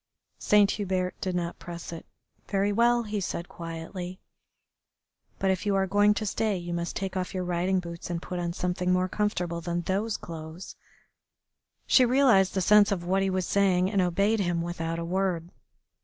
Saint Hubert did not press it. "Very well," he said quietly, "but if you are going to stay you must take off your riding boots and put on something more comfortable than those clothes." She realised the sense of what he was saying, and obeyed him without a word.